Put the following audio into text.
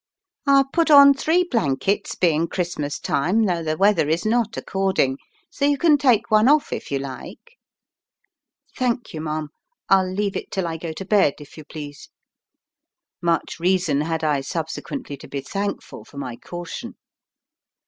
"I put on three blankets, being Christmas time, though the weather is not according; so you can take one off if you like." "Thank you, ma'am; I'll leave it till I go to bed, if you please." Much reason had I subsequently to be thankful for my caution.